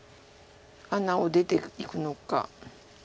穴を出ていくのか。